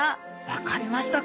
分かりました。